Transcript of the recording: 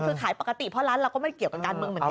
คือขายปกติเพราะร้านเราก็ไม่เกี่ยวกับการเมืองเหมือนกัน